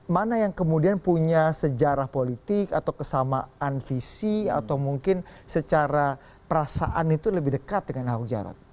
mana yang kemudian punya sejarah politik atau kesamaan visi atau mungkin secara perasaan itu lebih dekat dengan ahok jarot